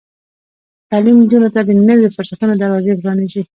تعلیم نجونو ته د نويو فرصتونو دروازې پرانیزي.